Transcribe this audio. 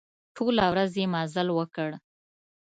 ټوله ورځ يې مزل وکړ.